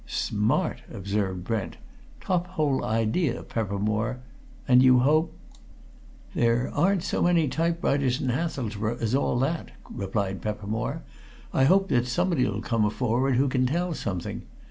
"Smart!" observed Brent. "Top hole idea, Peppermore. And you hope ?" "There aren't so many typewriters in Hathelsborough as all that," replied Peppermore. "I hope that somebody'll come forward who can tell something.